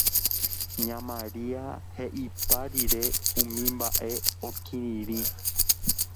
Ña Maria he'ipa rire umi mba'e okirirĩ